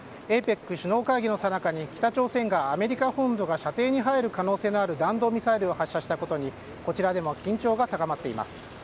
ＡＰＥＣ首脳会議のさなかに北朝鮮がアメリカ本土が射程に入る可能性がある弾道ミサイルを発射したことにこちらでも緊張が高まっています。